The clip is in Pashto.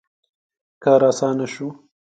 • کار آسانه شو.